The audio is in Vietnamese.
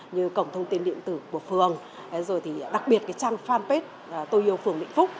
như cổng thông tin điện tử của phường đặc biệt trang fanpage tôi yêu phường vĩnh phúc